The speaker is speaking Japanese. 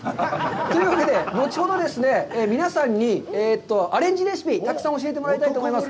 というわけで、後ほどですね、皆さんにアレンジレシピ、たくさん教えてもらいたいと思います。